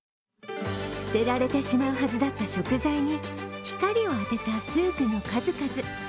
捨てられてしまうはずだった食材に光を当てたスープの数々。